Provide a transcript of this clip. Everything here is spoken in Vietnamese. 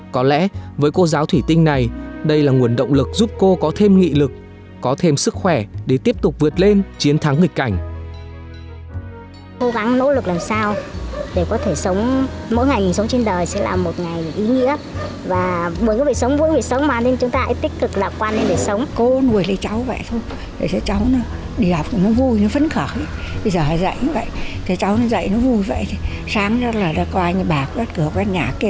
có lẽ với cô giáo thủy tinh này đây là nguồn động lực giúp cô có thêm nghị lực có thêm sức khỏe để tiếp tục vượt lên chiến thắng nghịch cảnh